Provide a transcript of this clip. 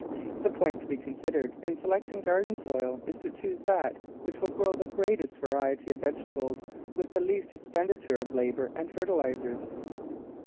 The point to be considered in selecting garden soil is to choose that which will grow the greatest variety of vegetables with the least expenditure of labor and fertilisers.